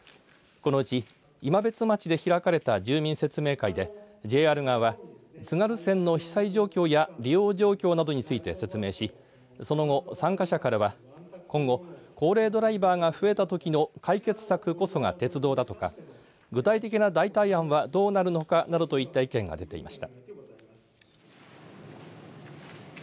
このうち、今別町で開かれた住民説明会でＪＲ側は津軽線の被災状況や利用状況などについて説明しその後、参加者からは今後高齢ドライバーが増えたときの解決策こそが鉄道だとか具体的な代替案はどうなるのかなどといった意見が出ていました。